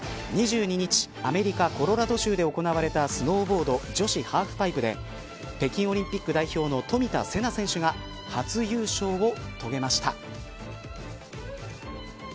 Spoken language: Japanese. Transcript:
２２日アメリカ、コロラド州で行われたスノーボード女子ハーフパイプで北京オリンピック代表の冨田せな選手が初優勝を遂げました。